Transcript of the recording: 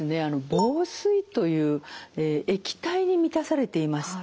房水という液体に満たされていまして